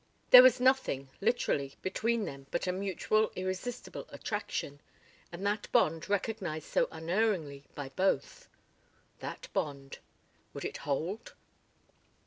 There was nothing, literally, between them but a mutual irresistible attraction, and that bond recognized so unerringly by both. That bond. Would it hold?